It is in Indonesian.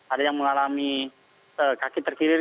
ada yang mengalami kaki terkirir